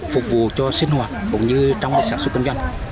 phục vụ cho sinh hoạt cũng như trong sản xuất kinh doanh